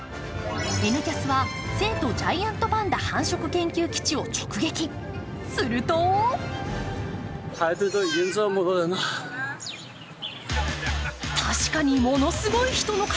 「Ｎキャス」は成都ジャイアントパンダ繁殖研究基地を直撃、すると確かにものすごい人の数。